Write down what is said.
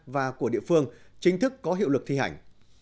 và của địa phương chính thức có hiệu lực thi hành